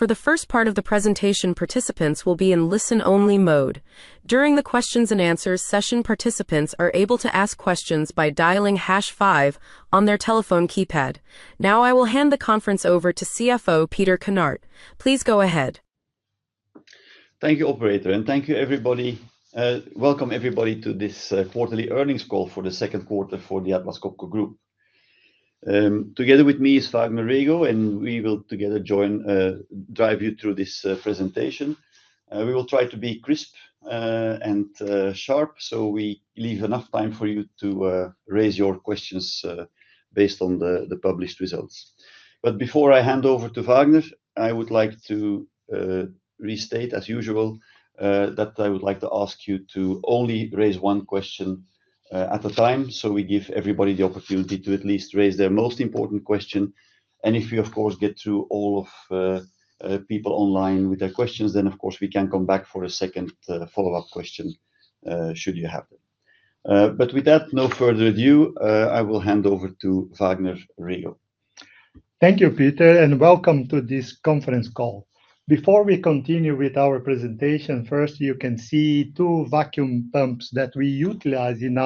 For the first part of the presentation, participants will be in listen-only mode. During the question and answer session, participants are able to ask questions by dialing hash five on their telephone keypad. Now I will hand the conference over to CFO Peter Kinnart. Please go ahead. Thank you, Operator, and thank you, everybody. Welcome, everybody, to this quarterly earnings call for the second quarter for the Atlas Copco Group. Together with me is Vagner Rego, and we will together drive you through this presentation. We will try to be crisp and sharp, so we leave enough time for you to raise your questions based on the published results. Before I hand over to Vagner, I would like to restate, as usual, that I would like to ask you to only raise one question at a time, so we give everybody the opportunity to at least raise their most important question. If we, of course, get through all of the people online with their questions, then, of course, we can come back for a second follow-up question should you have them. With that, no further ado, I will hand over to Vagner Rego. Thank you, Peter, and welcome to this conference call. Before we continue with our presentation, first, you can see two vacuum pumps that we utilize in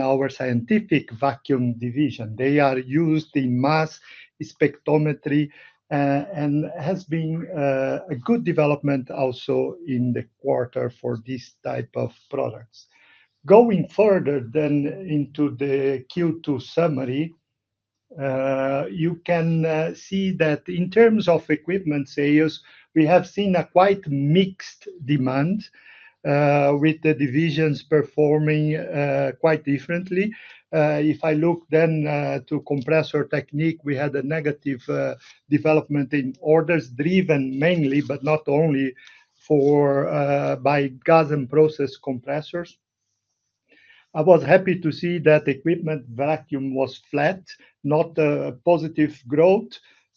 our scientific vacuum division. They are used in mass spectrometry and have been a good development also in the quarter for this type of products. Going further then into the Q2 summary. You can see that in terms of equipment sales, we have seen a quite mixed demand with the divisions performing quite differently. If I look then to Compressor Technique, we had a negative development in orders driven mainly, but not only by pas and process compressors. I was happy to see that equipment vacuum was flat, not a positive growth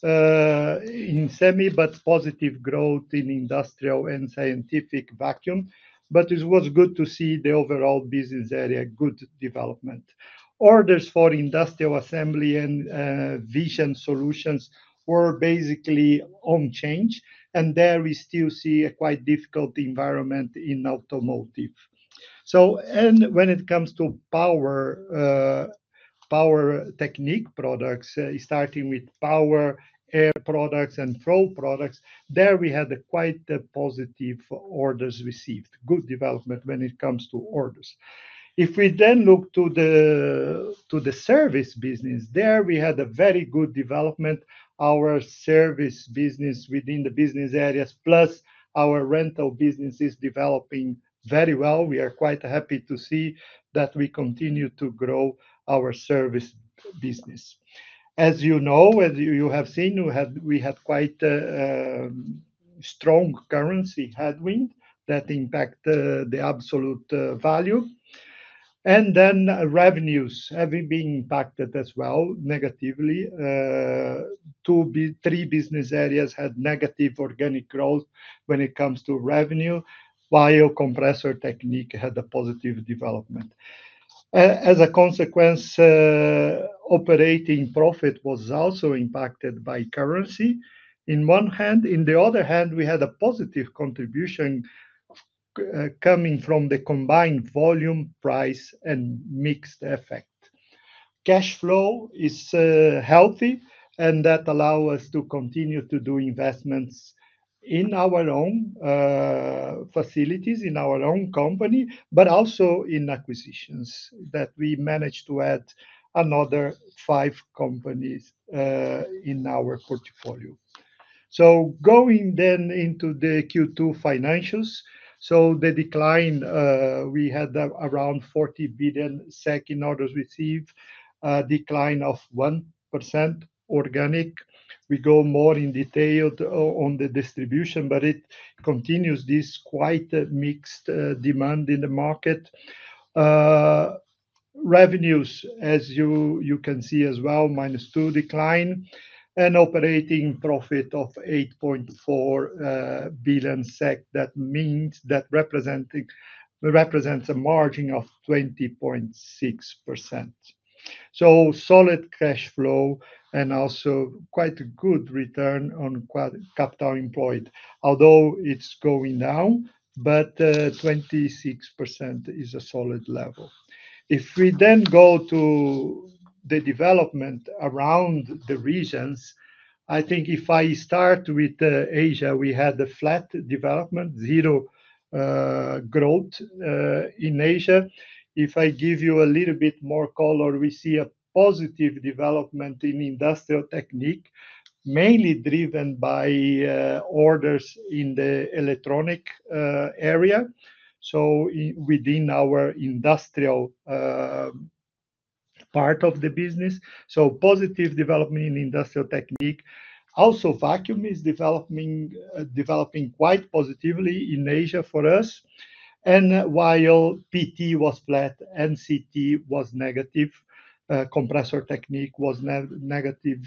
in semi, but positive growth in industrial and scientific vacuum. But it was good to see the overall business area, good development. Orders for Industrial Assembly and Vision solutions were basically on change, and there we still see a quite difficult environment in automotive. When it comes to Power Technique products, starting with power, air products, and floor products, there we had quite positive orders received, good development when it comes to orders. If we then look to the service business, there we had a very good development. Our service business within the business areas, plus our rental business, is developing very well. We are quite happy to see that we continue to grow our service business. As you know, as you have seen, we had quite a strong currency headwind that impacted the absolute value. Then revenues have been impacted as well negatively. Three business areas had negative organic growth when it comes to revenue, while Compressor Technique had a positive development. As a consequence, operating profit was also impacted by currency in one hand. In the other hand, we had a positive contribution coming from the combined volume, price, and mixed effect. Cash flow is healthy, and that allows us to continue to do investments in our own facilities, in our own company, but also in acquisitions that we managed to add another five companies in our portfolio. Going then into the Q2 financials, so the decline, we had around 40 billion SEK second orders received, a decline of 1% organic. We go more in detail on the distribution, but it continues this quite mixed demand in the market. Revenues, as you can see as well, -2% decline, and operating profit of 8.4 billion SEK. That means that represents a margin of 20.6%. Solid cash flow and also quite a good return on capital employed, although it's going down, but 26% is a solid level. If we then go to the development around the regions, I think if I start with Asia, we had a flat development, zero growth in Asia. If I give you a little bit more color, we see a positive development in Industrial Technique, mainly driven by orders in the electronic area, so within our industrial part of the business. Positive development in Industrial Technique. Also, vacuum is developing quite positively in Asia for us. While PT was flat, NCT was negative, Compressor Technique was negative,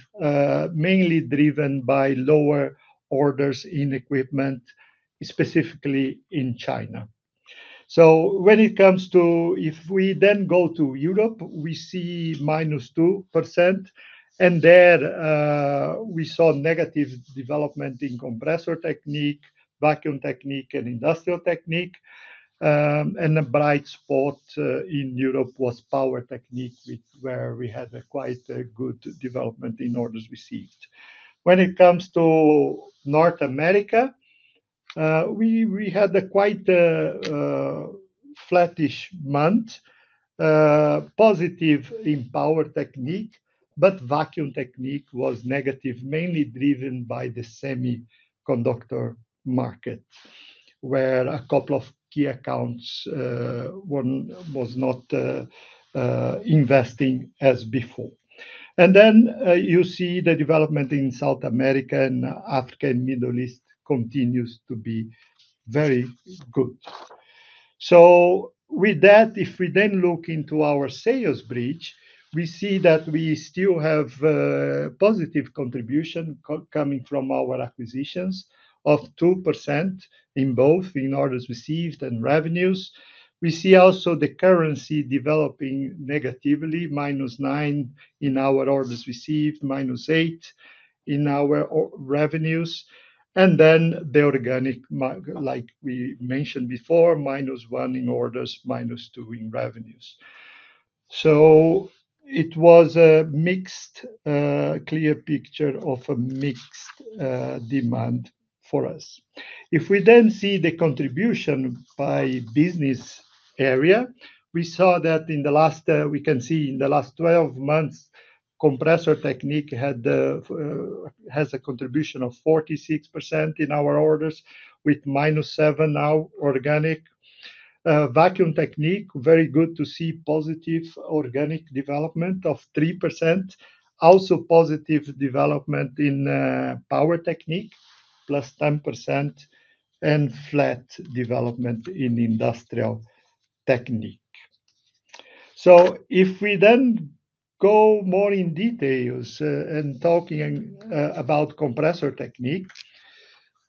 mainly driven by lower orders in equipment, specifically in China. When it comes to, if we then go to Europe, we see -2%. There we saw negative development in Compressor Technique, Vacuum Technique, and Industrial Technique. A bright spot in Europe was Power Technique, where we had quite a good development in orders received. When it comes to North America, we had a quite flattish month. Positive in Power Technique, but Vacuum Technique was negative, mainly driven by the semiconductor market where a couple of key accounts was not investing as before. Then you see the development in South America and Africa and Middle East continues to be very good. With that, if we then look into our sales breach, we see that we still have positive contribution coming from our acquisitions of 2% in both in orders received and revenues. We see also the currency developing negatively, -9% in our orders received, -8% in our revenues. Then the organic, like we mentioned before, -1% in orders, -2% in revenues. It was a mixed clear picture of a mixed demand for us. If we then see the contribution by business area, we saw that in the last, we can see in the last 12 months, Compressor Technique has a contribution of 46% in our orders, with -7% now organic. Vacuum Technique, very good to see positive organic development of 3%. Also positive development in Power Technique, +10%. Flat development in Industrial Technique. If we then go more in details and talking about Compressor Technique,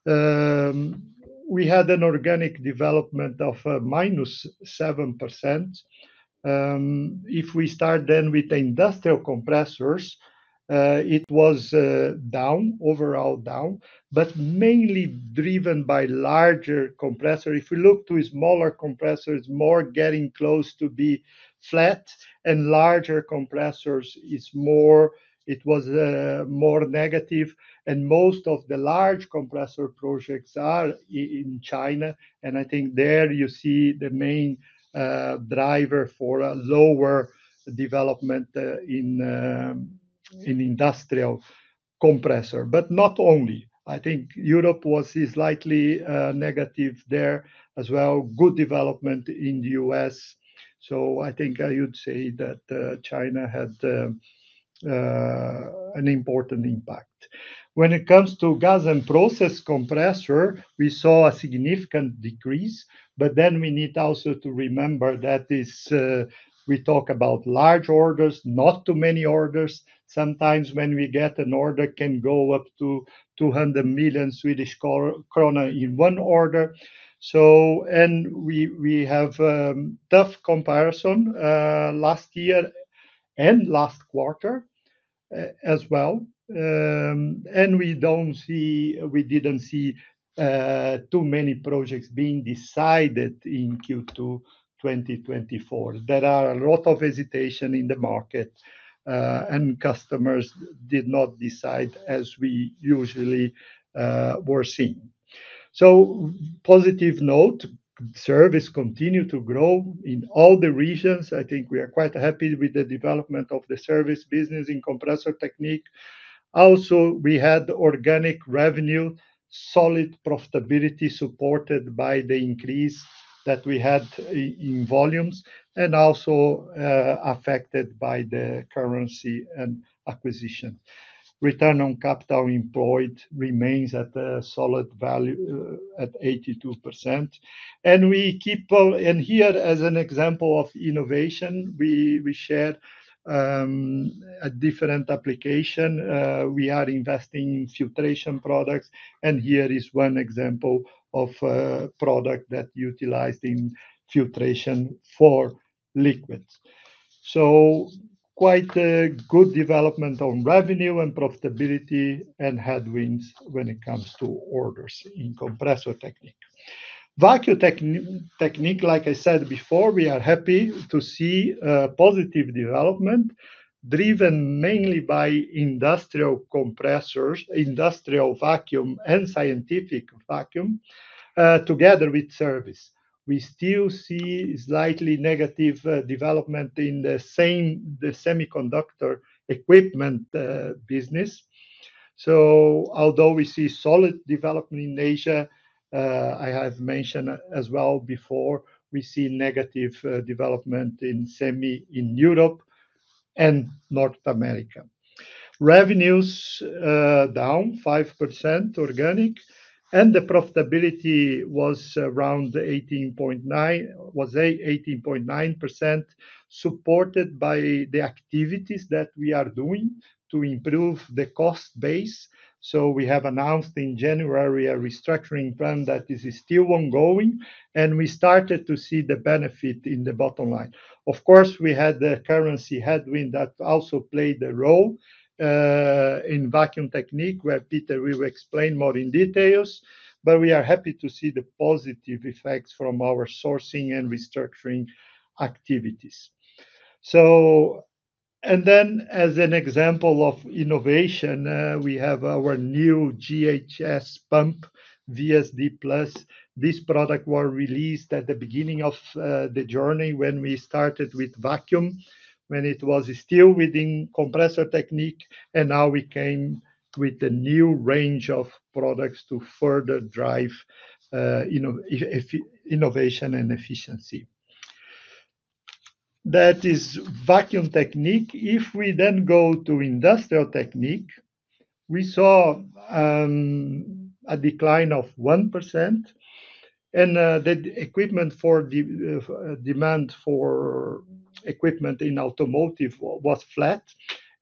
we had an organic development of -7%. If we start then with the industrial compressors, it was down, overall down, but mainly driven by larger compressor. If we look to smaller compressors, more getting close to be flat, and larger compressors is more, it was more negative. Most of the large compressor projects are in China. I think there you see the main driver for a lower development in industrial compressor. But not only. I think Europe was slightly negative there as well. Good development in the U.S. I would say that China had an important impact. When it comes to Gas and Process compressor, we saw a significant decrease. Then we need also to remember that we talk about large orders, not too many orders. Sometimes when we get an order, it can go up to 200 million Swedish kronor in one order. We have a tough comparison last year and last quarter as well. We didn't see too many projects being decided in Q2 2024. There are a lot of hesitation in the market. Customers did not decide as we usually were seeing. Positive note, service continued to grow in all the regions. I think we are quite happy with the development of the service business in Compressor Technique. Also, we had organic revenue, solid profitability supported by the increase that we had in volumes, and also affected by the currency and acquisition. Return on capital employed remains at a solid value at 82%. Here as an example of innovation, we share a different application. We are investing in filtration products. Here is one example of a product that utilized in filtration for liquids. Quite a good development on revenue and profitability and headwinds when it comes to orders in Compressor Technique. Vacuum Technique, like I said before, we are happy to see positive development driven mainly by industrial compressors, industrial vacuum, and scientific vacuum together with service. We still see slightly negative development in the semiconductor equipment business. Although we see solid development in Asia, I have mentioned as well before, we see negative development in Europe and North America. Revenues down 5% organic, and the profitability was around 18.9%. Supported by the activities that we are doing to improve the cost base. We have announced in January a restructuring plan that is still ongoing, and we started to see the benefit in the bottom line. Of course, we had the currency headwind that also played a role in Vacuum Technique, where Peter will explain more in details. But we are happy to see the positive effects from our sourcing and restructuring activities. Then as an example of innovation, we have our new GHS pump, VSD+. This product was released at the beginning of the journey when we started with vacuum, when it was still within Compressor Technique, and now we came with the new range of products to further drive innovation and efficiency. That is Vacuum Technique. If we then go to Industrial Technique, we saw a decline of 1%. The equipment for demand for equipment in automotive was flat.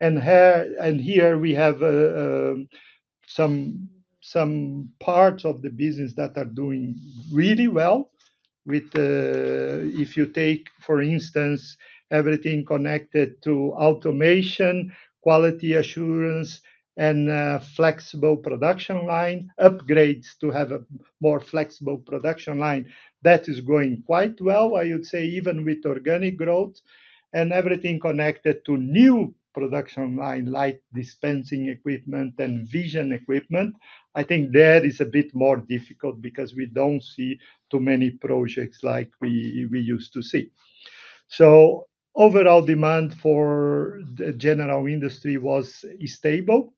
Here we have some parts of the business that are doing really well. If you take, for instance, everything connected to automation, quality assurance, and flexible production line, upgrades to have a more flexible production line, that is going quite well, I would say, even with organic growth. Everything connected to new production line, like dispensing equipment and vision equipment, I think there is a bit more difficult because we don't see too many projects like we used to see. Overall demand for the general industry was stable.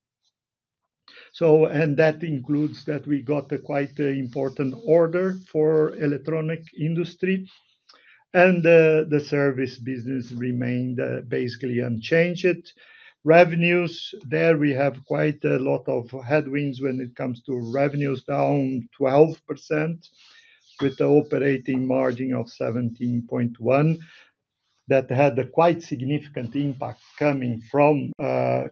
That includes that we got a quite important order for the electronic industry. The service business remained basically unchanged. Revenues, there we have quite a lot of headwinds when it comes to revenues, down 12%. With the operating margin of 17.1. That had a quite significant impact coming from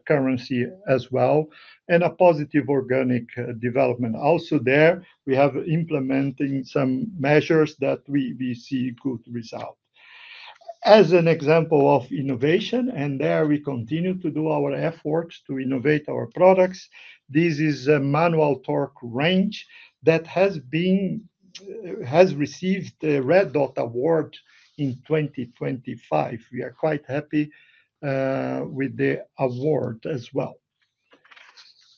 currency as well. A positive organic development. Also there, we have implementing some measures that we see good results. As an example of innovation, and there we continue to do our efforts to innovate our products, this is a Manual Torque Wrench that has received the Red Dot Award in 2025. We are quite happy with the award as well.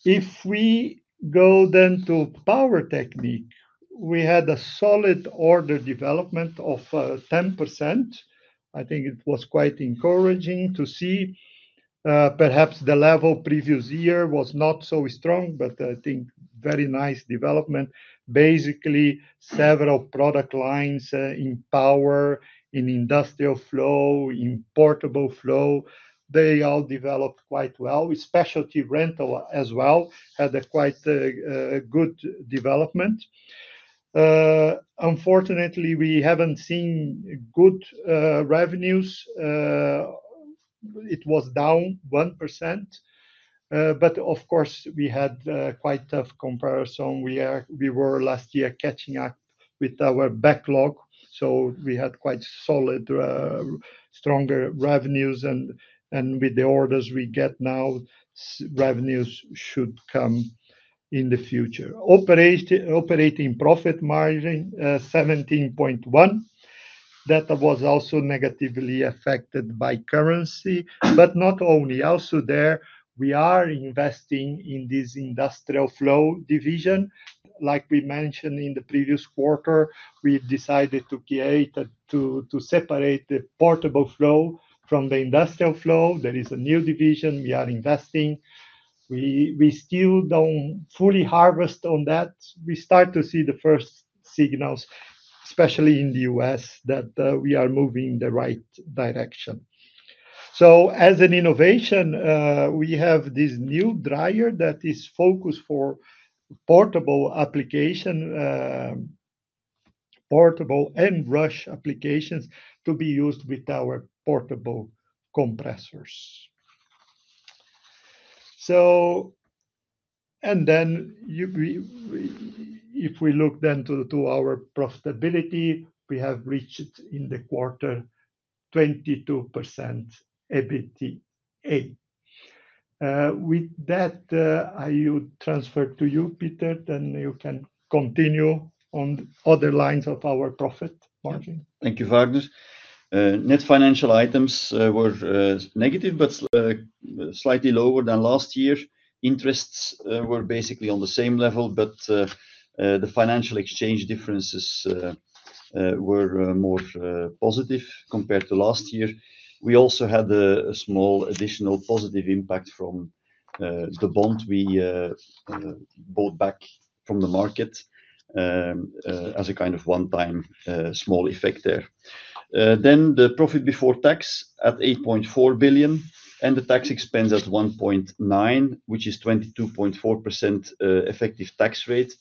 If we go then to Power Technique, we had a solid order development of 10%. I think it was quite encouraging to see. Perhaps the level previous year was not so strong, but I think very nice development. Basically, several product lines in power, in industrial flow, in portable flow, they all developed quite well. Specialty rental as well had a quite good development. Unfortunately, we haven't seen good revenues. It was down 1%. Of course, we had quite tough comparison. We were last year catching up with our backlog. So we had quite solid stronger revenues. With the orders we get now, revenues should come in the future. Operating profit margin, 17.1%. That was also negatively affected by currency. Not only. Also there, we are investing in this industrial flow division. Like we mentioned in the previous quarter, we decided to separate the portable flow from the industrial flow. There is a new division we are investing. We still don't fully harvest on that. We start to see the first signals, especially in the U.S., that we are moving in the right direction. So as an innovation, we have this new dryer that is focused for portable application. Portable and brush applications to be used with our portable compressors. If we look then to our profitability, we have reached in the quarter 22% EBITDA. With that, I would transfer to you, Peter, then you can continue on other lines of our profit margin. Thank you, Vagner. Net financial items were negative, but slightly lower than last year. Interests were basically on the same level, but the financial exchange differences were more positive compared to last year. We also had a small additional positive impact from the bond we bought back from the market. As a kind of one-time small effect there. Then the profit before tax at 8.4 billion and the tax expense at 1.9 billion, which is 22.4% effective tax rate.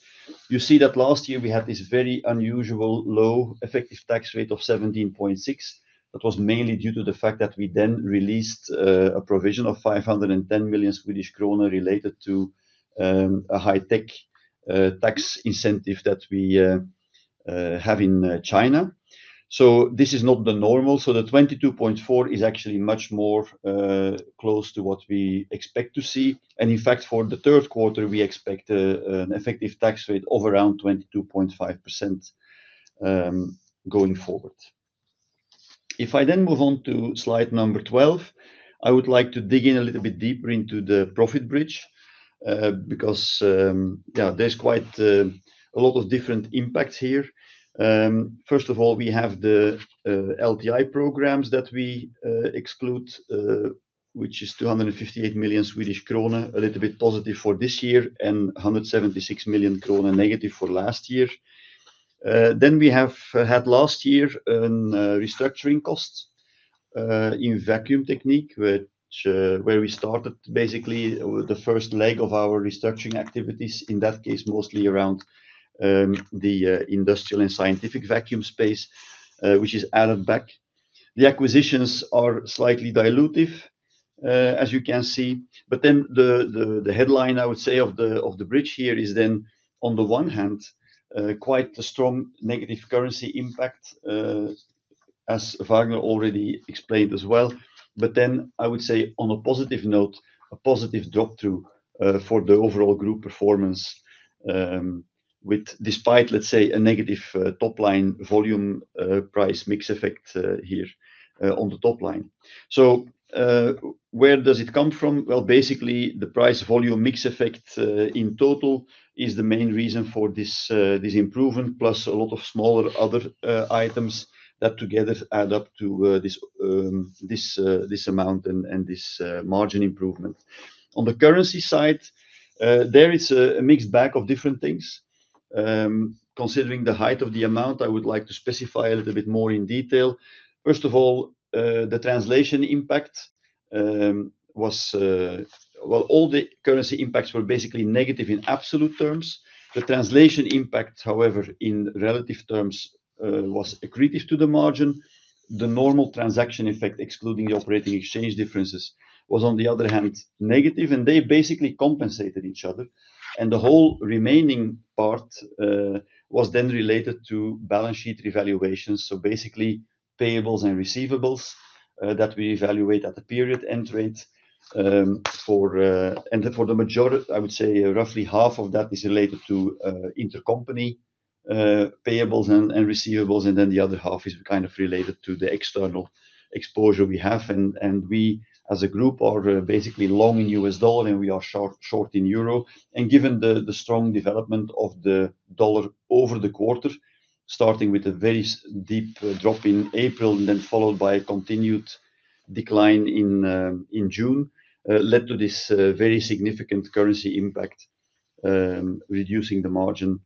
You see that last year we had this very unusual low effective tax rate of 17.6%. That was mainly due to the fact that we then released a provision of 510 million Swedish kronor related to a high-tech tax incentive that we have in China. So this is not the normal. So the 22.4% is actually much more close to what we expect to see. In fact, for the third quarter, we expect an effective tax rate of around 22.5% going forward. If I then move on to slide number 12, I would like to dig in a little bit deeper into the profit bridge. Because there's quite a lot of different impacts here. First of all, we have the. LTI programs that we exclude, which is 258 million Swedish krona, a little bit positive for this year, and 176 million krona negative for last year. We had last year a restructuring cost in Vacuum Technique, where we started basically the first leg of our restructuring activities, in that case mostly around the industrial and scientific vacuum space, which is added back. The acquisitions are slightly dilutive, as you can see. The headline, I would say, of the bridge here is then, on the one hand, quite a strong negative currency impact. As Vagner already explained as well. On a positive note, a positive drop through for the overall group performance. Despite, let's say, a negative top line volume price mix effect here on the top line. Where does it come from? Basically, the price volume mix effect in total is the main reason for this improvement, plus a lot of smaller other items that together add up to this amount and this margin improvement. On the currency side, there is a mixed bag of different things. Considering the height of the amount, I would like to specify a little bit more in detail. First of all, the translation impact was— All the currency impacts were basically negative in absolute terms. The translation impact, however, in relative terms, was accretive to the margin. The normal transaction effect, excluding the operating exchange differences, was, on the other hand, negative. They basically compensated each other. The whole remaining part was then related to balance sheet revaluations. Basically, payables and receivables that we evaluate at a period end rate. For the majority, I would say roughly half of that is related to intercompany payables and receivables. The other half is kind of related to the external exposure we have. We, as a group, are basically long in U.S. dollar, and we are short in euro. Given the strong development of the dollar over the quarter, starting with a very deep drop in April and then followed by a continued decline in June, led to this very significant currency impact, reducing the margin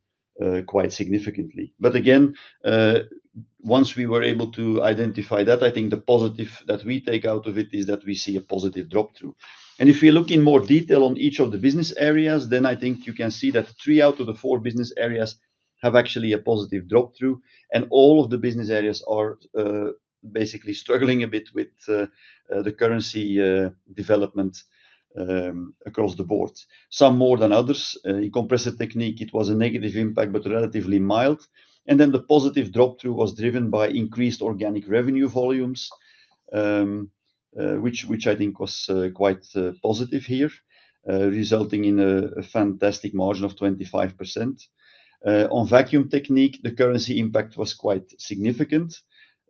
quite significantly. Once we were able to identify that, I think the positive that we take out of it is that we see a positive drop through. If we look in more detail on each of the business areas, then I think you can see that three out of the four business areas have actually a positive drop through. All of the business areas are basically struggling a bit with the currency development across the board. Some more than others. In Compressor Technique, it was a negative impact, but relatively mild. The positive drop through was driven by increased organic revenue volumes. Which I think was quite positive here, resulting in a fantastic margin of 25%. On Vacuum Technique, the currency impact was quite significant.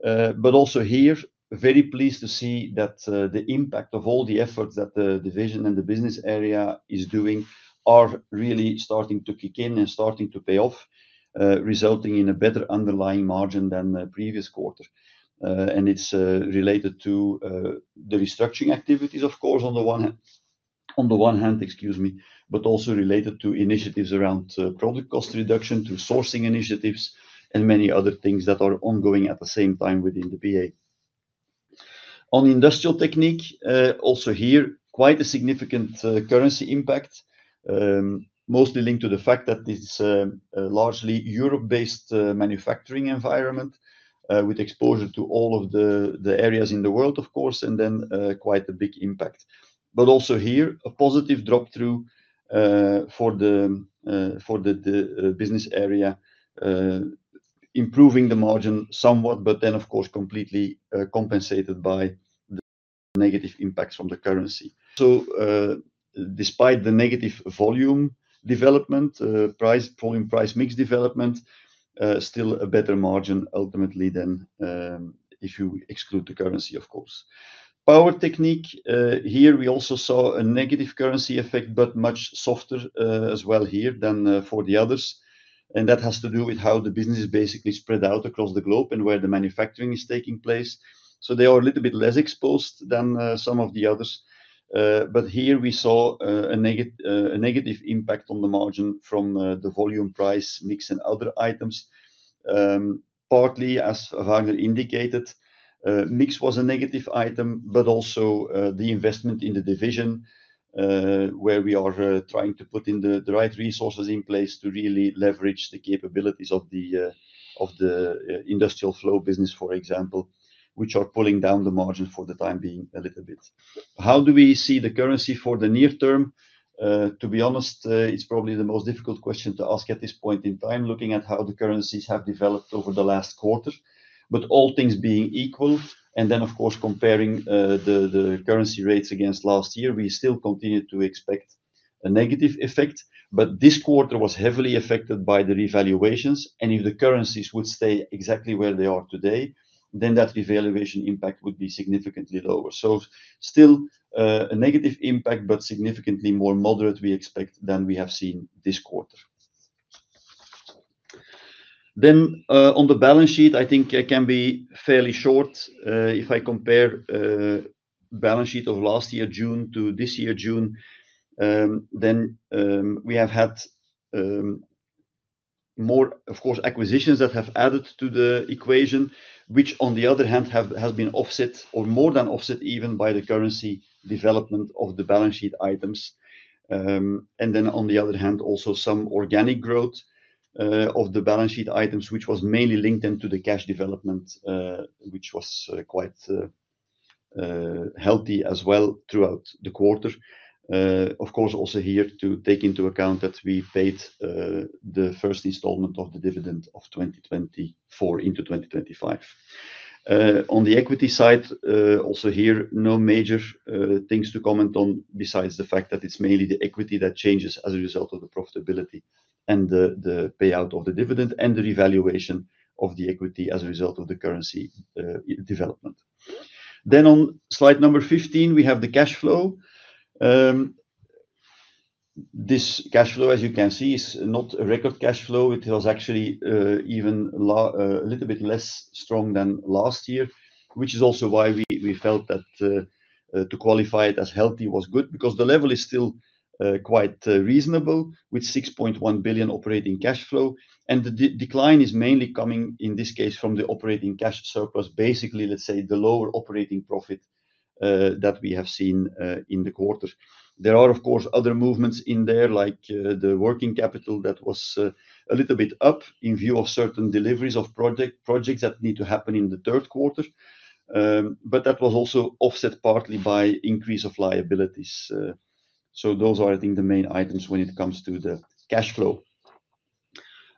Also here, very pleased to see that the impact of all the efforts that the division and the business area is doing are really starting to kick in and starting to pay off. Resulting in a better underlying margin than the previous quarter. And it's related to the restructuring activities, of course, on the one hand. Excuse me, but also related to initiatives around product cost reduction, to sourcing initiatives, and many other things that are ongoing at the same time within the PA. On Industrial Technique, also here, quite a significant currency impact, mostly linked to the fact that this is a largely Europe-based manufacturing environment with exposure to all of the areas in the world, of course, and then quite a big impact. Also here, a positive drop through for the business area. Improving the margin somewhat, but then, of course, completely compensated by negative impacts from the currency. Also, despite the negative volume development, volume price mix development. Still a better margin ultimately than if you exclude the currency, of course. Power Technique, here we also saw a negative currency effect, but much softer as well here than for the others. And that has to do with how the business is basically spread out across the globe and where the manufacturing is taking place. So they are a little bit less exposed than some of the others. Here we saw a negative impact on the margin from the volume price mix and other items. Partly, as Vagner indicated. Mix was a negative item, but also the investment in the division. Where we are trying to put in the right resources in place to really leverage the capabilities of the industrial flow business, for example, which are pulling down the margin for the time being a little bit. How do we see the currency for the near term? To be honest, it's probably the most difficult question to ask at this point in time, looking at how the currencies have developed over the last quarter. All things being equal, and then, of course, comparing the currency rates against last year, we still continue to expect a negative effect. This quarter was heavily affected by the revaluations. And if the currencies would stay exactly where they are today, then that revaluation impact would be significantly lower. So still a negative impact, but significantly more moderate, we expect, than we have seen this quarter. Then on the balance sheet, I think it can be fairly short. If I compare the balance sheet of last year June to this year June, then we have had more, of course, acquisitions that have added to the equation, which, on the other hand, have been offset or more than offset even by the currency development of the balance sheet items. And then, on the other hand, also some organic growth of the balance sheet items, which was mainly linked then to the cash development. Which was quite. Healthy as well throughout the quarter. Of course, also here to take into account that we paid the first installment of the dividend of 2024 into 2025. On the equity side, also here, no major things to comment on besides the fact that it's mainly the equity that changes as a result of the profitability and the payout of the dividend and the revaluation of the equity as a result of the currency development. On slide number 15, we have the cash flow. This cash flow, as you can see, is not a record cash flow. It was actually even a little bit less strong than last year, which is also why we felt that to qualify it as healthy was good because the level is still quite reasonable with 6.1 billion operating cash flow. The decline is mainly coming, in this case, from the operating cash surplus, basically, let's say, the lower operating profit that we have seen in the quarter. There are, of course, other movements in there, like the working capital that was a little bit up in view of certain deliveries of projects that need to happen in the third quarter. That was also offset partly by increase of liabilities. So those are, I think, the main items when it comes to the cash flow.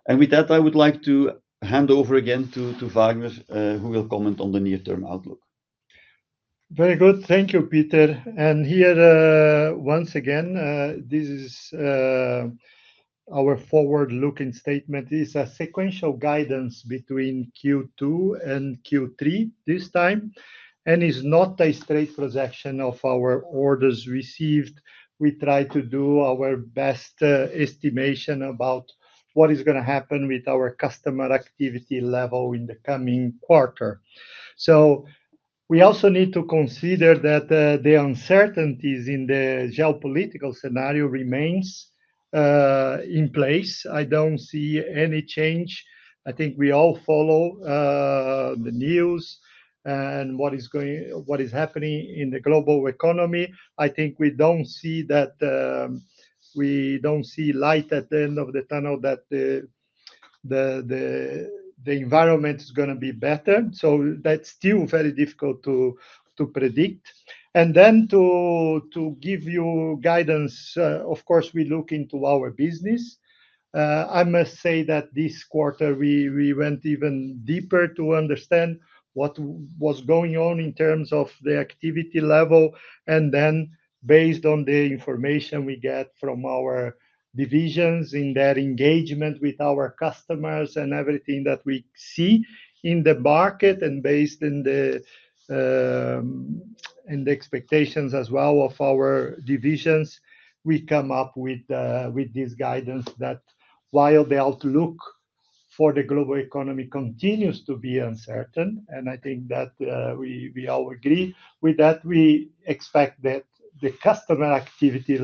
With that, I would like to hand over again to Vagner, who will comment on the near-term outlook. Very good. Thank you, Peter. Here, once again, this is our forward-looking statement. It's a sequential guidance between Q2 and Q3 this time, and it's not a straight projection of our orders received. We try to do our best estimation about what is going to happen with our customer activity level in the coming quarter. So we also need to consider that the uncertainties in the geopolitical scenario remain in place. I don't see any change. I think we all follow the news and what is happening in the global economy. I think we don't see that. We don't see light at the end of the tunnel that the environment is going to be better. So that's still very difficult to predict. To give you guidance, of course, we look into our business. I must say that this quarter, we went even deeper to understand what was going on in terms of the activity level. Based on the information we get from our divisions in that engagement with our customers and everything that we see in the market and based in the expectations as well of our divisions, we come up with this guidance that while the outlook for the global economy continues to be uncertain, and I think that we all agree with that, we expect that the customer activity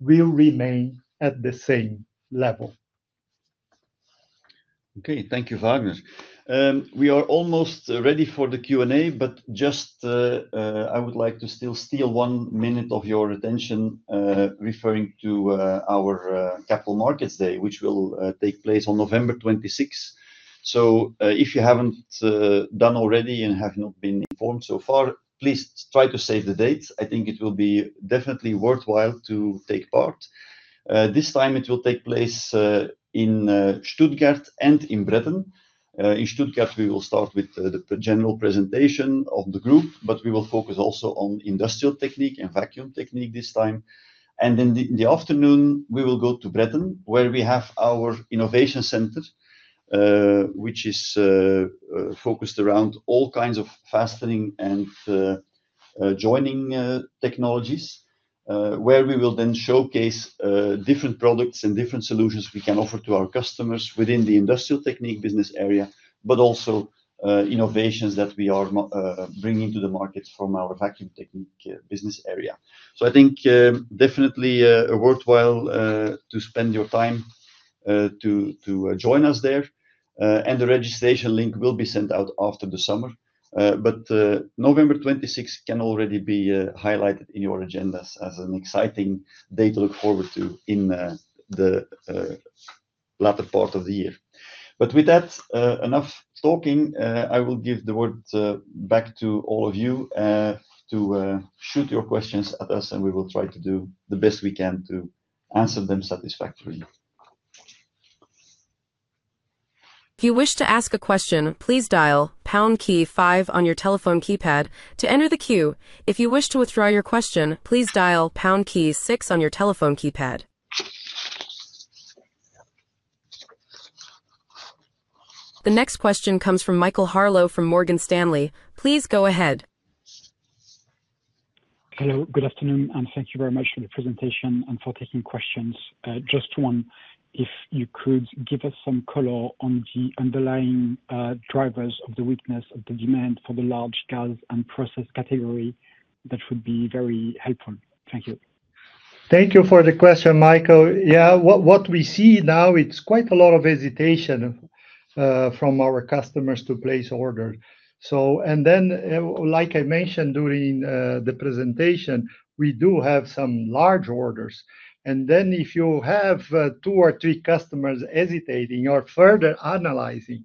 will remain at the same level. Okay. Thank you, Vagner. We are almost ready for the Q&A, but just I would like to still steal one minute of your attention. Referring to our Capital Markets Day, which will take place on November 26th. If you have not done already and have not been informed so far, please try to save the date. I think it will be definitely worthwhile to take part. This time, it will take place in Stuttgart and in Bretten. In Stuttgart, we will start with the general presentation of the group, but we will focus also on Industrial Technique and Vacuum Technique this time. In the afternoon, we will go to Bretten, where we have our innovation center, which is focused around all kinds of fastening and joining technologies, where we will then showcase different products and different solutions we can offer to our customers within the Industrial Technique business area, but also innovations that we are bringing to the markets from our Vacuum Technique business area. I think definitely worthwhile to spend your time to join us there. The registration link will be sent out after the summer, but November 26th can already be highlighted in your agendas as an exciting day to look forward to in the latter part of the year. With that, enough talking, I will give the word back to all of you to shoot your questions at us, and we will try to do the best we can to answer them satisfactorily. If you wish to ask a question, please dial pound key five on your telephone keypad to enter the queue. If you wish to withdraw your question, please dial pound key six on your telephone keypad. The next question comes from Michael Harleaux from Morgan Stanley. Please go ahead. Hello. Good afternoon, and thank you very much for the presentation and for taking questions. Just one, if you could give us some color on the underlying drivers of the weakness of the demand for the large Gas and Process category, that would be very helpful. Thank you. Thank you for the question, Michael. Yeah, what we see now, it's quite a lot of hesitation from our customers to place orders. Like I mentioned during the presentation, we do have some large orders, and then if you have two or three customers hesitating or further analyzing,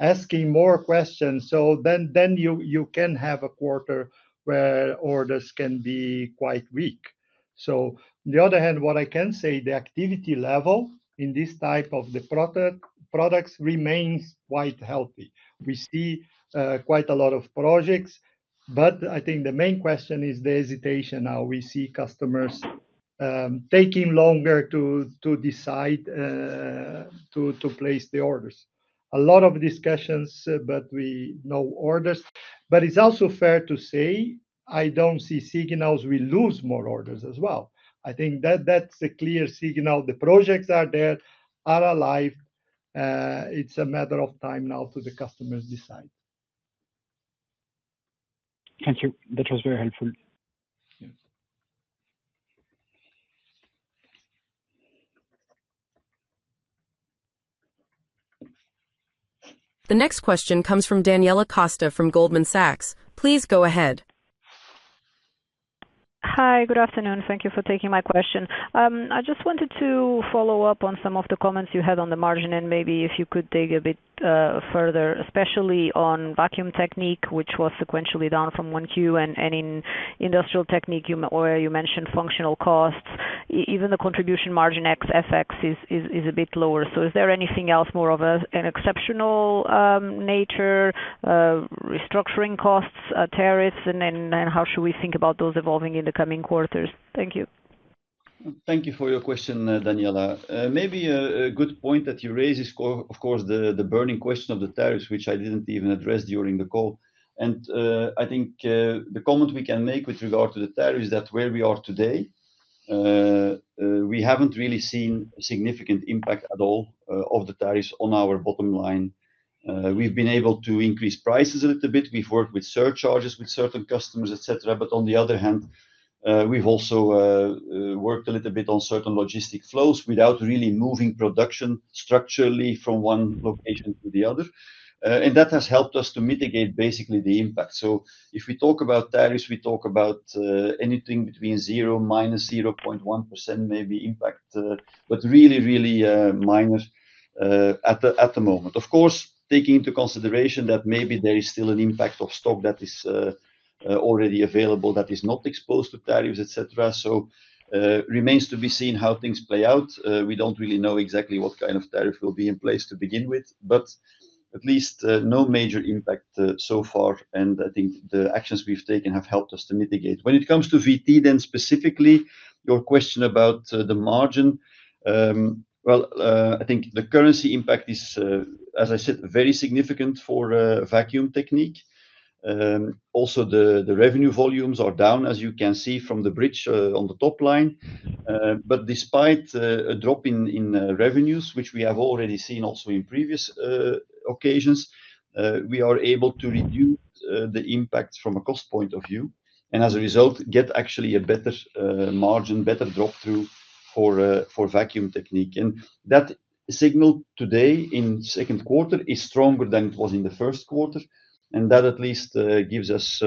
asking more questions, you can have a quarter where orders can be quite weak. On the other hand, what I can say, the activity level in this type of the products remains quite healthy. We see quite a lot of projects, but I think the main question is the hesitation now. We see customers taking longer to decide to place the orders. A lot of discussions, but no orders. It's also fair to say I don't see signals we lose more orders as well. I think that's a clear signal. The projects are there, are alive. It's a matter of time now for the customers to decide. Thank you. That was very helpful. The next question comes from Daniela Costa from Goldman Sachs. Please go ahead. Hi, good afternoon. Thank you for taking my question. I just wanted to follow up on some of the comments you had on the margin and maybe if you could dig a bit further, especially on Vacuum Technique, which was sequentially down from one Q. In Industrial Technique, where you mentioned functional costs, even the contribution margin FX is a bit lower. So is there anything else more of an exceptional nature, restructuring costs, tariffs, and then how should we think about those evolving in the coming quarters? Thank you. Thank you for your question, Daniela. Maybe a good point that you raise is, of course, the burning question of the tariffs, which I didn't even address during the call. I think the comment we can make with regard to the tariff is that where we are today. We haven't really seen significant impact at all of the tariffs on our bottom line. We've been able to increase prices a little bit. We've worked with surcharges with certain customers, etc. But on the other hand. We've also. Worked a little bit on certain logistic flows without really moving production structurally from one location to the other. That has helped us to mitigate basically the impact. So if we talk about tariffs, we talk about anything between zero, -0.1% maybe impact, but really, really minor. At the moment. Of course, taking into consideration that maybe there is still an impact of stock that is. Already available that is not exposed to tariffs, etc., so. Remains to be seen how things play out. We don't really know exactly what kind of tariff will be in place to begin with, but at least no major impact so far. I think the actions we've taken have helped us to mitigate. When it comes to VT, then specifically, your question about the margin. Well, I think the currency impact is, as I said, very significant for Vacuum Technique. Also, the revenue volumes are down, as you can see from the bridge on the top line. But despite a drop in revenues, which we have already seen also in previous occasions, we are able to reduce the impact from a cost point of view. As a result, get actually a better margin, better drop-through for. Vacuum Technique. That signal today in second quarter is stronger than it was in the first quarter. That at least gives us.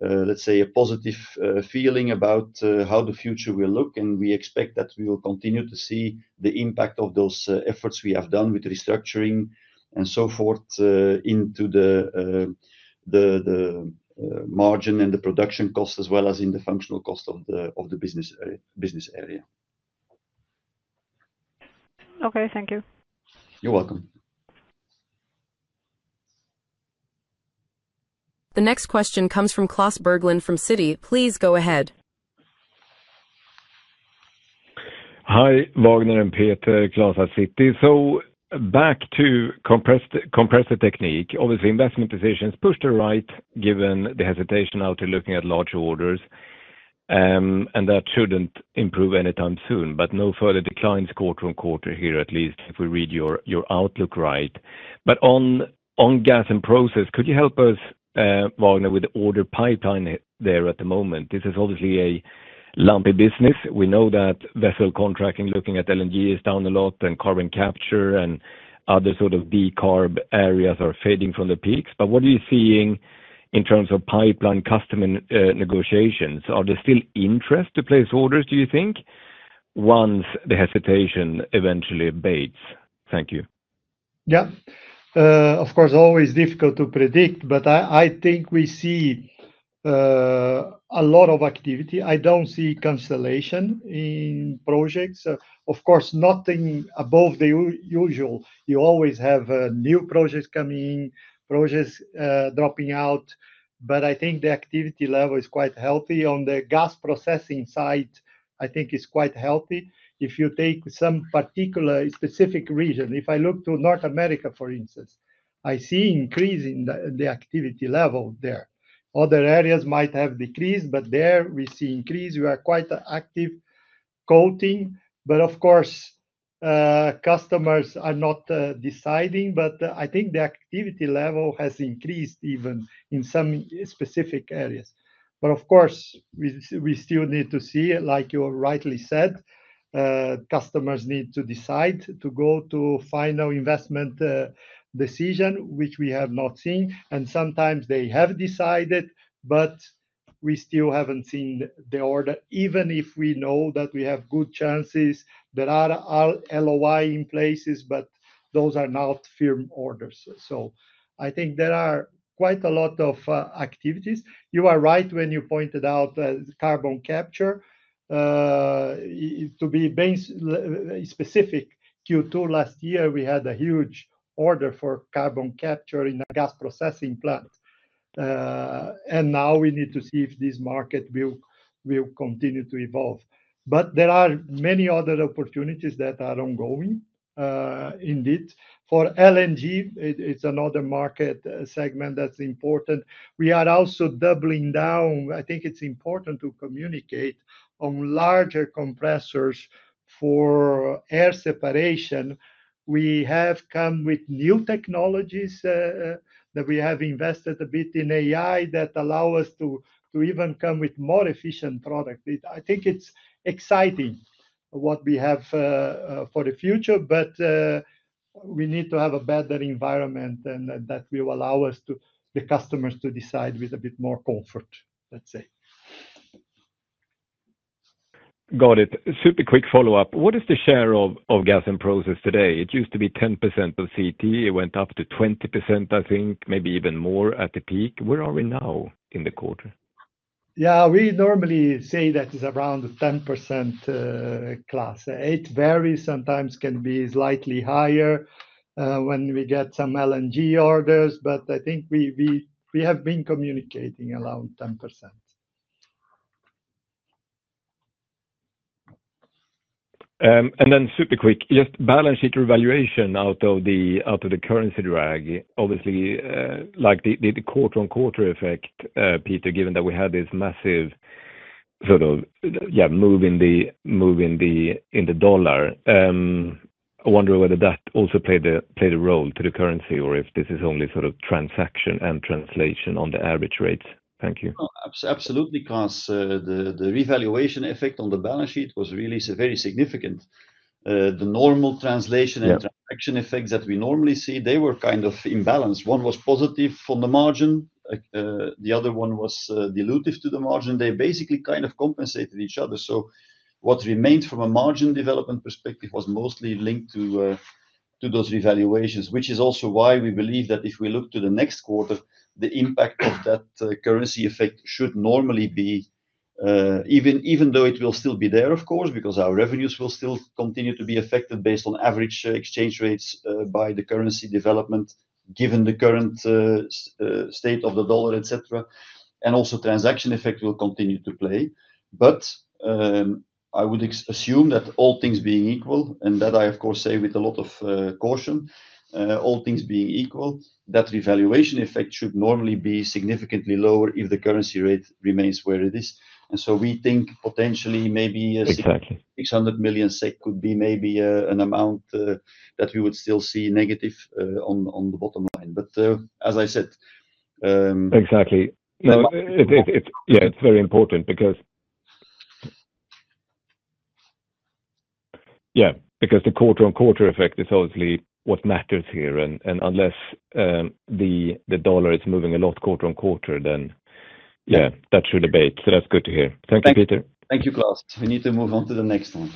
Let's say, a positive feeling about how the future will look. We expect that we will continue to see the impact of those efforts we have done with restructuring and so forth into the. Margin and the production cost, as well as in the functional cost of the business. Area. Okay. Thank you. You're welcome. The next question comes from Klas Bergelind from Citi. Please go ahead. Hi, Vagner and Peter, Klas at Citi. Back to Compressor Technique. Obviously, investment decisions pushed to the right given the hesitation out to looking at large orders. And that shouldn't improve anytime soon. But no further declines quarter on quarter here, at least if we read your outlook right. But on Gas and Process, could you help us, Vagner, with the order pipeline there at the moment? This is obviously a lumpy business. We know that vessel contracting, looking at LNG, is down a lot, and carbon capture and other sort of decarb areas are fading from the peaks. But what are you seeing in terms of pipeline custom negotiations? Are there still interest to place orders, do you think, once the hesitation eventually abates? Thank you. Yeah. Of course, always difficult to predict, but I think we see a lot of activity. I don't see cancellation in projects. Of course, nothing above the usual. You always have new projects coming in, projects dropping out. But I think the activity level is quite healthy. On the gas processing side, I think it's quite healthy. If you take some particular specific region, if I look to North America, for instance, I see an increase in the activity level there. Other areas might have decreased, but there we see an increase. We are quite active. Quoting. But of course, customers are not deciding. But I think the activity level has increased even in some specific areas. But of course, we still need to see, like you rightly said. Customers need to decide to go to final investment decision, which we have not seen. And sometimes they have decided, but we still haven't seen the order, even if we know that we have good chances. There are LOI in places, but those are not firm orders. I think there are quite a lot of activities. You are right when you pointed out carbon capture. To be specific. Q2 last year, we had a huge order for carbon capture in a gas processing plant. And now we need to see if this market will continue to evolve. But there are many other opportunities that are ongoing. Indeed. For LNG, it's another market segment that's important. We are also doubling down. I think it's important to communicate on larger compressors for air separation. We have come with new technologies that we have invested a bit in AI that allow us to even come with more efficient products. I think it's exciting what we have for the future, but we need to have a better environment that will allow us. The customers to decide with a bit more comfort, let's say. Got it. Super quick follow-up. What is the share of Gas and Process today? It used to be 10% of CT. It went up to 20%, I think, maybe even more at the peak. Where are we now in the quarter? Yeah, we normally say that it's around 10%. Klas. It varies. Sometimes can be slightly higher. When we get some LNG orders, but I think we have been communicating around 10%. And then super quick, just balance sheet revaluation out of the currency drag, obviously. Like the quarter-on-quarter effect, Peter, given that we had this massive, sort of, yeah, move in the dollar. I wonder whether that also played a role to the currency or if this is only sort of transaction and translation on the average rates. Thank you. Absolutely, because the revaluation effect on the balance sheet was really very significant. The normal translation and transaction effects that we normally see, they were kind of imbalanced. One was positive from the margin. The other one was dilutive to the margin. They basically kind of compensated each other. So what remained from a margin development perspective was mostly linked to those revaluations, which is also why we believe that if we look to the next quarter, the impact of that currency effect should normally be, even though it will still be there, of course, because our revenues will still continue to be affected based on average exchange rates by the currency development, given the current state of the dollar, etc. And also transaction effect will continue to play. But I would assume that all things being equal, and that I, of course, say with a lot of caution, all things being equal, that revaluation effect should normally be significantly lower if the currency rate remains where it is. And so we think potentially maybe 600 million SEK could be maybe an amount that we would still see negative on the bottom line. But as I said. Exactly. Yeah, it's very important because, yeah, because the quarter-on-quarter effect is obviously what matters here. And unless the dollar is moving a lot quarter-on-quarter, then, yeah, that should abate. So that's good to hear. Thank you, Peter. Thank you, Klas. We need to move on to the next one.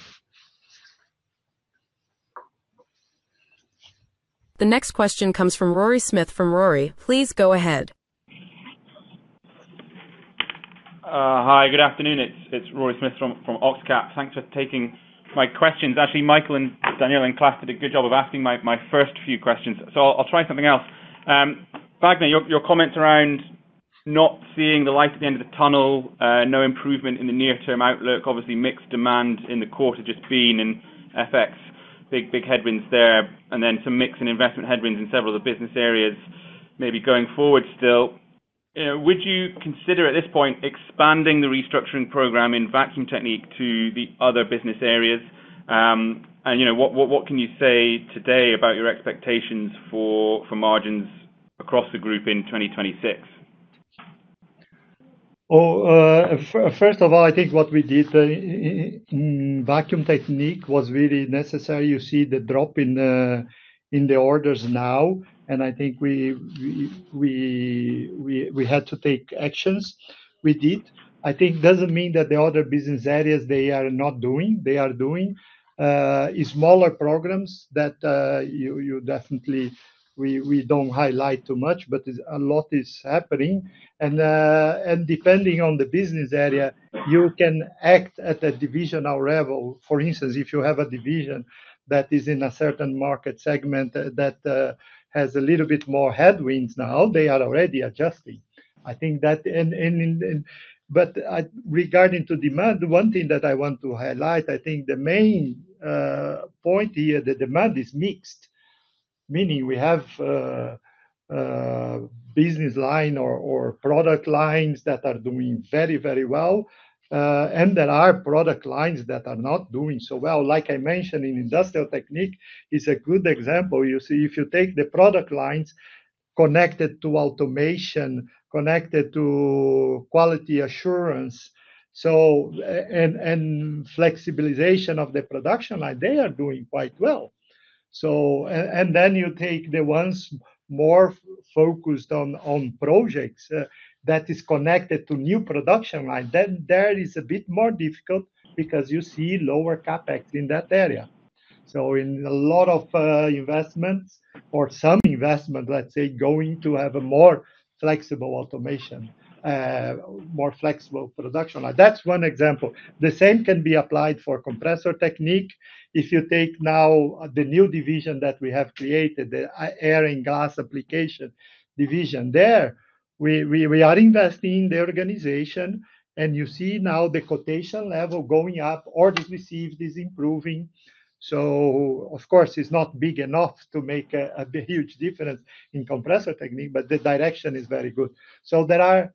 The next question comes from Rory Smith from Rory. Please go ahead. Hi, good afternoon. It's Rory Smith from Oxcap. Thanks for taking my questions. Actually, Michael and Daniela and Klas did a good job of asking my first few questions. So I'll try something else. Vagner, your comments around not seeing the light at the end of the tunnel, no improvement in the near-term outlook, obviously mixed demand in the quarter just being in FX, big headwinds there, and then some mixed investment headwinds in several of the business areas maybe going forward still. Would you consider at this point expanding the restructuring program in Vacuum Technique to the other business areas? And what can you say today about your expectations for margins across the group in 2026? First of all, I think what we did in Vacuum Technique was really necessary. You see the drop in the orders now. And I think we had to take actions. We did. I think it doesn't mean that the other business areas, they are not doing. They are doing. Smaller programs that. You definitely. We don't highlight too much, but a lot is happening. Depending on the business area, you can act at a divisional level. For instance, if you have a division that is in a certain market segment that has a little bit more headwinds now, they are already adjusting. I think that. But regarding to demand, one thing that I want to highlight, I think the main point here, the demand is mixed, meaning we have business line or product lines that are doing very, very well. There are product lines that are not doing so well. Like I mentioned, in Industrial Technique, it's a good example. You see, if you take the product lines connected to automation, connected to quality assurance and flexibilization of the production line, they are doing quite well. Then you take the ones more focused on projects that are connected to new production lines, then there is a bit more difficult because you see lower CapEx in that area. So in a lot of investments or some investments, let's say, going to have a more flexible automation. More flexible production. That's one example. The same can be applied for Compressor Technique. If you take now the new division that we have created, the air and gas application division there, we are investing in the organization. You see now the quotation level going up. Orders received is improving. So, of course, it's not big enough to make a huge difference in Compressor Technique, but the direction is very good. So there are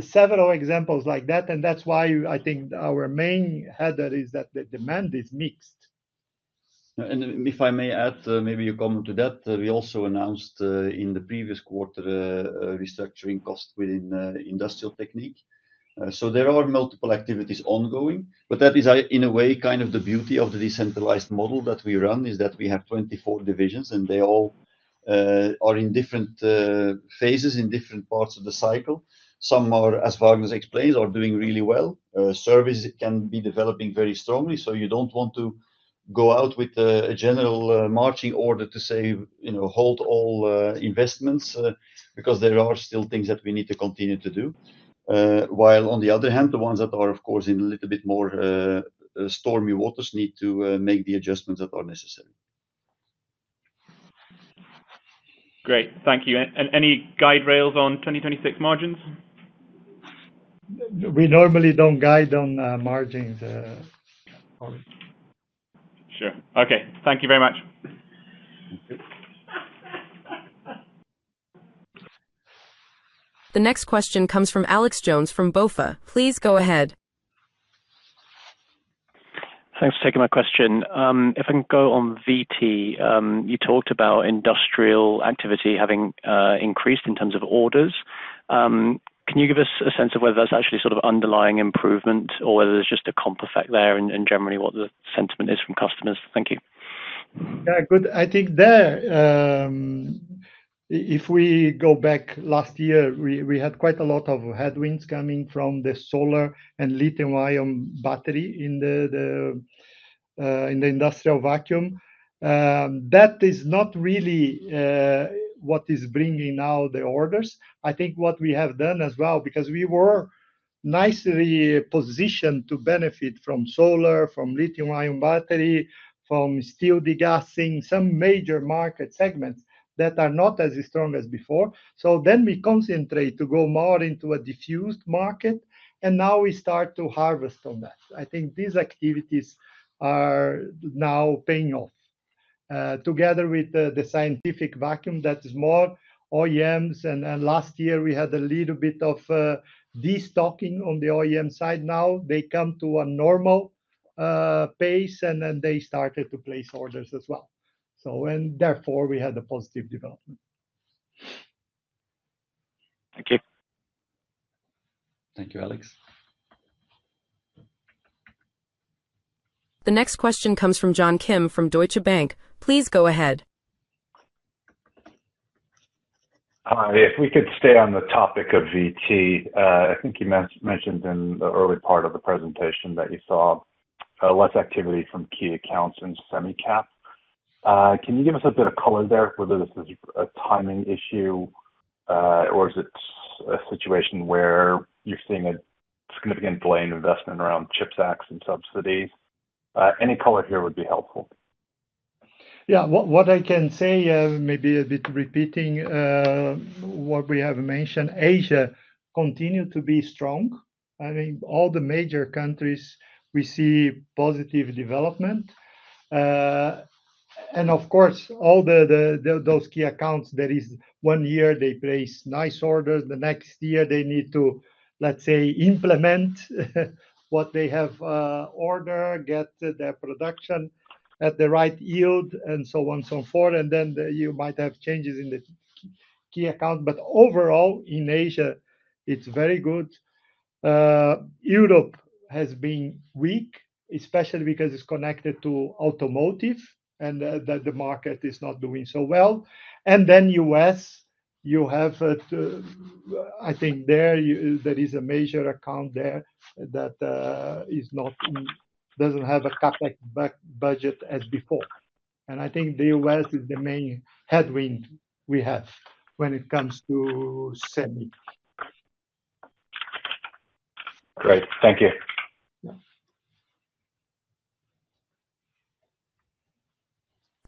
several examples like that. That's why I think our main header is that the demand is mixed. If I may add, maybe you comment to that. We also announced in the previous quarter restructuring cost within Industrial Technique. So there are multiple activities ongoing. But that is, in a way, kind of the beauty of the decentralized model that we run, is that we have 24 divisions, and they all are in different phases in different parts of the cycle. Some are, as Vagner explains, are doing really well. Service can be developing very strongly. So you don't want to go out with a general marching order to say hold all investments because there are still things that we need to continue to do. While, on the other hand, the ones that are, of course, in a little bit more stormy waters need to make the adjustments that are necessary. Great. Thank you. Any guide rails on 2026 margins? We normally don't guide on margins. Sure. Okay. Thank you very much. The next question comes from Alex Jones from BofA. Please go ahead. Thanks for taking my question. If I can go on VT, you talked about industrial activity having increased in terms of orders. Can you give us a sense of whether that's actually sort of underlying improvement or whether there's just a comp effect there and generally what the sentiment is from customers? Thank you. Yeah. Good. I think there. If we go back last year, we had quite a lot of headwinds coming from the solar and lithium-ion battery in the industrial vacuum. That is not really what is bringing now the orders. I think what we have done as well, because we were nicely positioned to benefit from solar, from lithium-ion battery, from steel degassing, some major market segments that are not as strong as before. So then we concentrate to go more into a diffused market. Now we start to harvest on that. I think these activities are now paying off. Together with the scientific vacuum that is more OEMs. Last year, we had a little bit of destocking on the OEM side. Now they come to a normal pace, and then they started to place orders as well. Therefore, we had a positive development. Thank you. Thank you, Alex. The next question comes from John Kim from Deutsche Bank. Please go ahead. If we could stay on the topic of VT, I think you mentioned in the early part of the presentation that you saw less activity from key accounts in semicap. Can you give us a bit of color there, whether this is a timing issue. Or is it a situation where you're seeing a significant delay in investment around chips acts and subsidies? Any color here would be helpful. Yeah. What I can say, maybe a bit repeating what we have mentioned, Asia continued to be strong. I mean, all the major countries, we see positive development. Of course, all those key accounts, there is one year they place nice orders. The next year, they need to, let's say, implement what they have ordered, get their production at the right yield, and so on and so forth. Then you might have changes in the key account. But overall, in Asia, it's very good. Europe has been weak, especially because it's connected to automotive, and the market is not doing so well. Then U.S., you have. I think there is a major account there that doesn't have a CapEx budget as before. I think the U.S. is the main headwind we have when it comes to semi. Great. Thank you.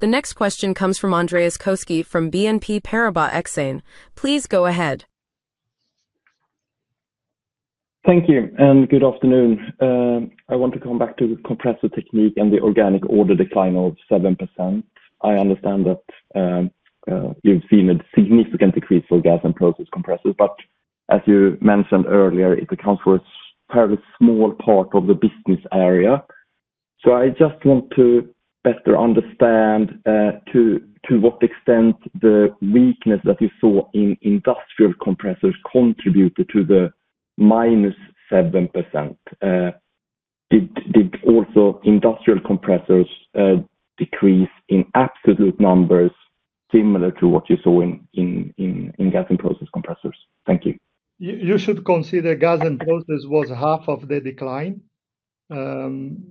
The next question comes from Andreas Koski from BNP Paribas Exane. Please go ahead. Thank you. Good afternoon. I want to come back to the Compressor Technique and the organic order decline of 7%. I understand that you've seen a significant decrease for gas and process compressors. But as you mentioned earlier, it accounts for a fairly small part of the business area. So I just want to better understand to what extent the weakness that you saw in industrial compressors contributed to the -7%. Did also industrial compressors. Decrease in absolute numbers similar to what you saw in Gas and Process compressors? Thank you. You should consider Gas and Process was half of the decline. And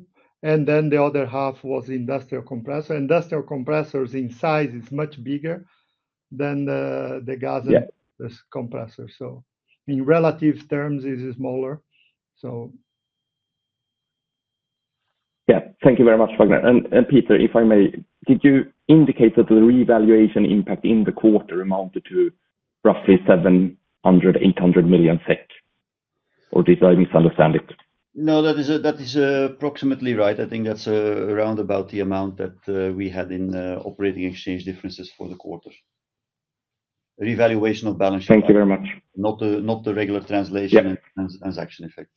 then the other half was industrial compressor. Industrial compressors in size is much bigger than the Gas and Process compressor. So in relative terms, it is smaller. So. Yeah. Thank you very much, Vagner. Peter, if I may, did you indicate that the revaluation impact in the quarter amounted to roughly 700-800 million SEK? Or did I misunderstand it? No, that is approximately right. I think that's around about the amount that we had in operating exchange differences for the quarter. Revaluation of balance sheet. Thank you very much. Not the regular translation and transaction effect.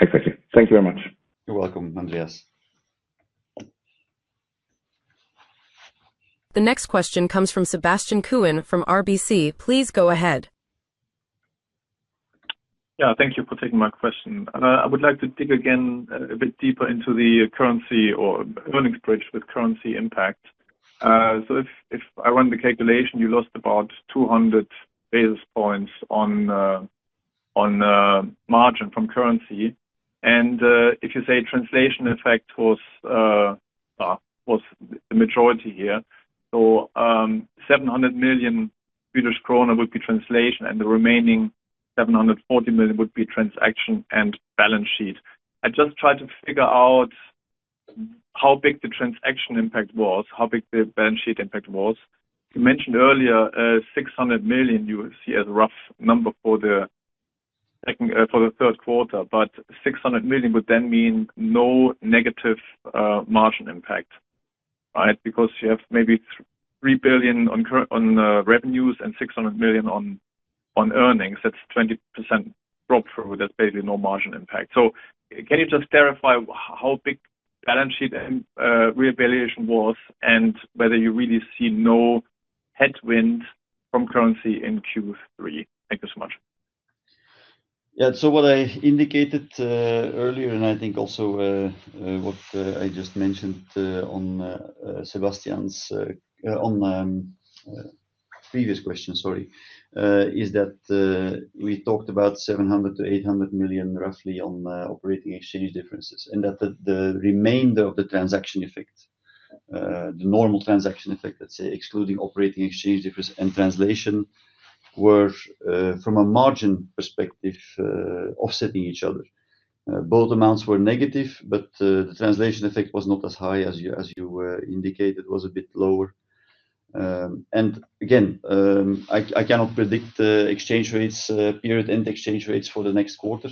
Exactly. Thank you very much. You're welcome, Andreas. The next question comes from Sebastian Kuenne from RBC. Please go ahead. Yeah. Thank you for taking my question. I would like to dig again a bit deeper into the currency or earnings bridge with currency impact. So if I run the calculation, you lost about 200 basis points on margin from currency. If you say translation effect was the majority here, so 700 million Swedish krona would be translation, and the remaining 740 million would be transaction and balance sheet. I just tried to figure out how big the transaction impact was, how big the balance sheet impact was. You mentioned earlier 600 million, you see as a rough number for the third quarter, but 600 million would then mean no negative margin impact, right? Because you have maybe 3 billion on revenues and 600 million on earnings. That's 20% drop through. That's basically no margin impact. So can you just clarify how big balance sheet revaluation was and whether you really see no headwind from currency in Q3? Thank you so much. Yeah. So what I indicated earlier, and I think also what I just mentioned on Sebastian's previous question, sorry, is that we talked about 700-800 million roughly on operating exchange differences and that the remainder of the transaction effect, the normal transaction effect, let's say, excluding operating exchange difference and translation. Were from a margin perspective offsetting each other. Both amounts were negative, but the translation effect was not as high as you indicated. It was a bit lower. Again I cannot predict exchange rates period and exchange rates for the next quarter.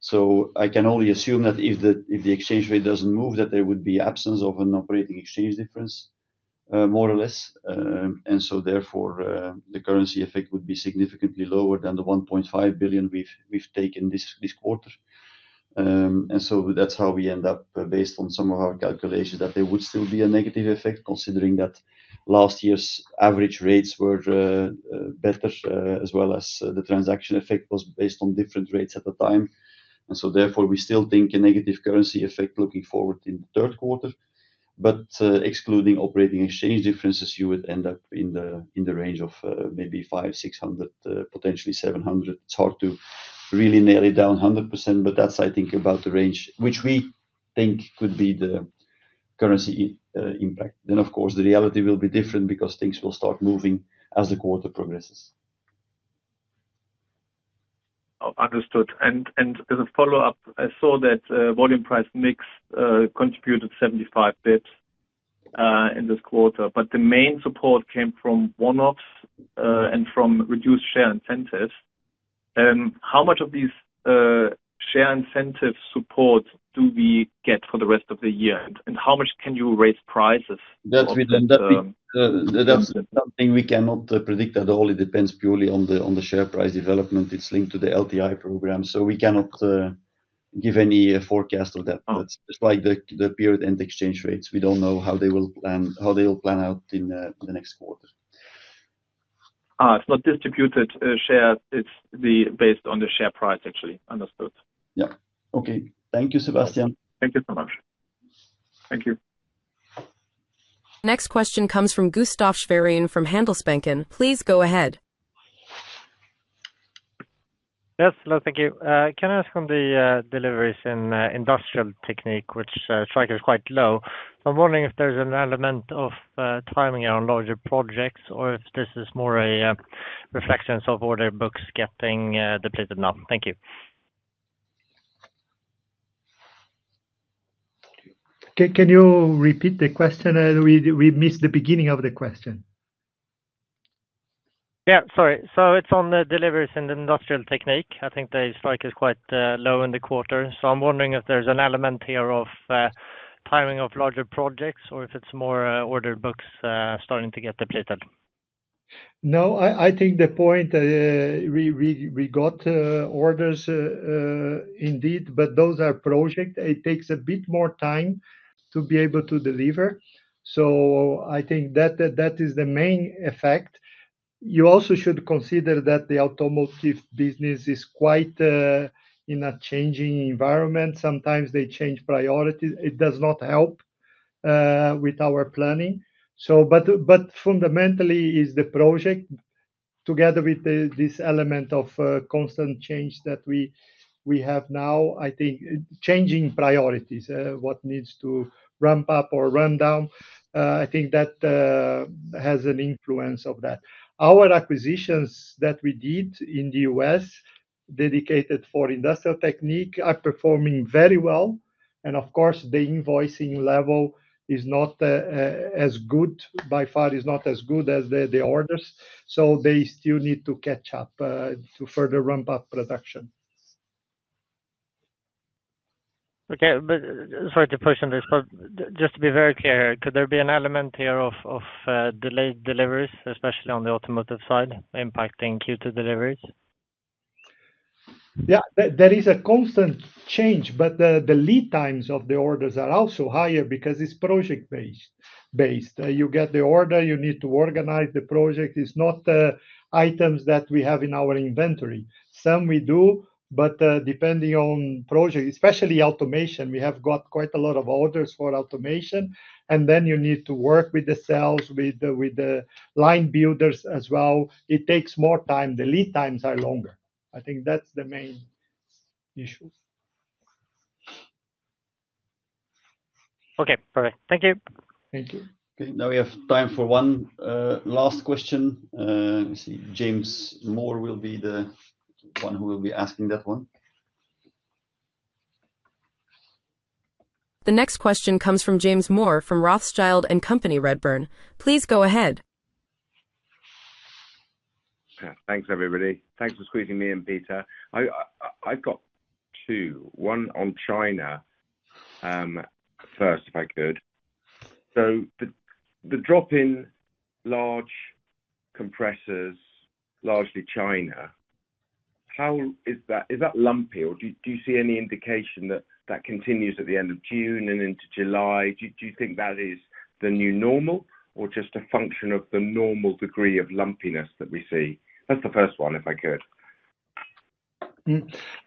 So I can only assume that if the exchange rate doesn't move, that there would be absence of an operating exchange difference. More or less. So therefore, the currency effect would be significantly lower than the 1.5 billion we've taken this quarter. So that's how we end up based on some of our calculations that there would still be a negative effect considering that last year's average rates were better as well as the transaction effect was based on different rates at the time. Therefore, we still think a negative currency effect looking forward in the third quarter. But excluding operating exchange differences, you would end up in the range of maybe 500-600, potentially 700. It's hard to really nail it down 100%, but that's, I think, about the range which we think could be the currency impact. Then, of course, the reality will be different because things will start moving as the quarter progresses. Understood. As a follow-up, I saw that volume price mix contributed 75 bps in this quarter, but the main support came from one-offs and from reduced share incentives. How much of these share incentive support do we get for the rest of the year? How much can you raise prices? That's something we cannot predict at all. It depends purely on the share price development. It's linked to the LTI program. So we cannot give any forecast of that. It's just like the period and exchange rates. We don't know how they will plan out in the next quarter. It's not distributed shares. It's based on the share price, actually. Understood. Yeah. Okay. Thank you, Sebastian. Thank you so much. Thank you. The next question comes from Gustaf Schwerin from Handelsbanken.Please go ahead. Yes. Hello. Thank you. Can I ask on the deliveries in Industrial Technique, which strike is quite low? So I'm wondering if there's an element of timing on larger projects or if this is more a reflection of order books getting depleted now. Thank you. Can you repeat the question? We missed the beginning of the question. Yeah. Sorry. So it's on the deliveries in the Industrial Technique. I think the strike is quite low in the quarter. So I'm wondering if there's an element here of timing of larger projects or if it's more order books starting to get depleted. No, I think the point. We got orders. Indeed, but those are projects. It takes a bit more time to be able to deliver. So I think that is the main effect. You also should consider that the automotive business is quite in a changing environment. Sometimes they change priorities. It does not help with our planning. But fundamentally, it's the project together with this element of constant change that we have now, I think changing priorities, what needs to ramp up or run down, I think that has an influence of that. Our acquisitions that we did in the U.S. dedicated for Industrial Technique are performing very well. Of course, the invoicing level is not as good by far, is not as good as the orders. So they still need to catch up to further ramp up production. Okay. Sorry to push on this, but just to be very clear, could there be an element here of delayed deliveries, especially on the automotive side, impacting Q2 deliveries? Yeah. There is a constant change, but the lead times of the orders are also higher because it's project-based. You get the order, you need to organize the project. It's not items that we have in our inventory. Some we do, but depending on project, especially automation, we have got quite a lot of orders for automation. Then you need to work with the sales, with the line builders as well. It takes more time. The lead times are longer. I think that's the main issue. Okay. Perfect. Thank you. Thank you. Okay. Now we have time for one last question. Let me see. James Moore will be the one who will be asking that one. The next question comes from James Moore from Rothschild & Company Redburn. Please go ahead. Thanks, everybody. Thanks for squeezing me in, Peter. I've got two. One on China. First, if I could. So the drop in large compressors, largely China. Is that lumpy? Or do you see any indication that that continues at the end of June and into July? Do you think that is the new normal or just a function of the normal degree of lumpiness that we see? That's the first one, if I could.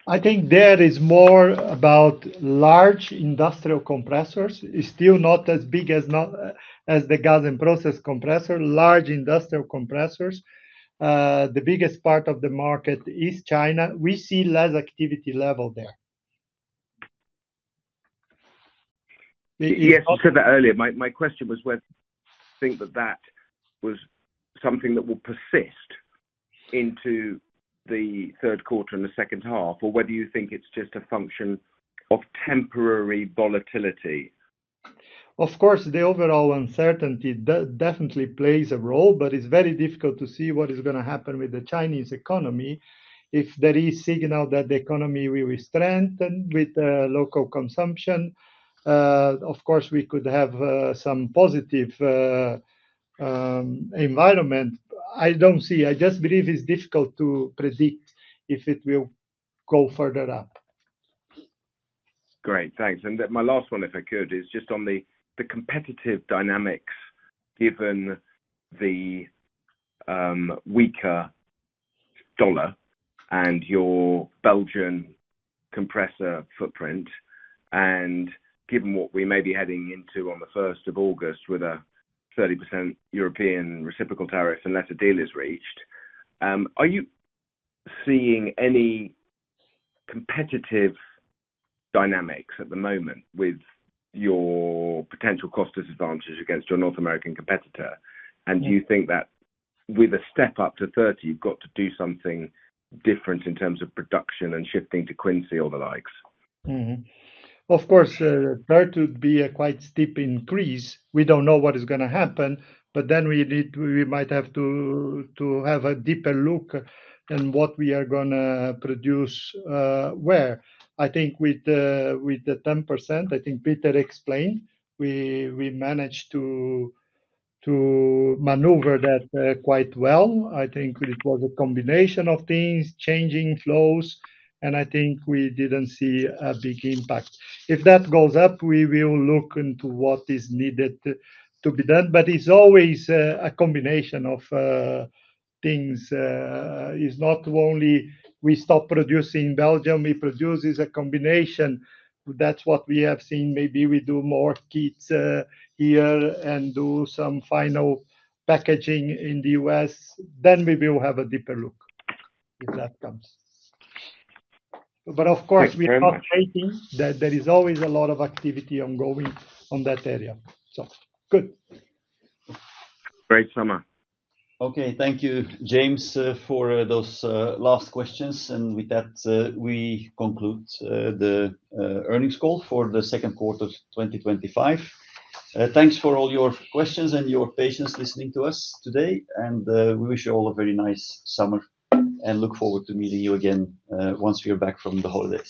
I think there is more about large industrial compressors. It's still not as big as the Gas and Process compressor. Large industrial compressors. The biggest part of the market is China. We see less activity level there. Yeah. I'll say that earlier. My question was whether you think that that was something that will persist into the third quarter and the second half, or whether you think it's just a function of temporary volatility. Of course, the overall uncertainty definitely plays a role, but it's very difficult to see what is going to happen with the Chinese economy. If there is a signal that the economy will strengthen with local consumption. Of course, we could have some positive environment. I don't see. I just believe it's difficult to predict if it will go further up. Great. Thanks. My last one, if I could, is just on the competitive dynamics given the weaker dollar and your Belgian compressor footprint and given what we may be heading into on the 1st of August with a 30% European reciprocal tariff unless a deal is reached. Are you seeing any competitive dynamics at the moment with your potential cost disadvantage against your North American competitor? Do you think that with a step up to 30, you've got to do something different in terms of production and shifting to Quincy or the likes? Of course, there could be a quite steep increase. We don't know what is going to happen, but then we might have to have a deeper look at what we are going to produce where. I think with the 10%, I think Peter explained, we managed to maneuver that quite well. I think it was a combination of things, changing flows, and I think we didn't see a big impact. If that goes up, we will look into what is needed to be done. It is always a combination of things. It is not only we stop producing in Belgium, we produce, it is a combination. That is what we have seen. Maybe we do more kits here and do some final packaging in the U.S. Maybe we will have a deeper look if that comes. Of course, we are updating. There is always a lot of activity ongoing in that area. Good. Great summer. Thank you, James, for those last questions. With that, we conclude the earnings call for the second quarter of 2025. Thanks for all your questions and your patience listening to us today. We wish you all a very nice summer and look forward to meeting you again once we are back from the holidays.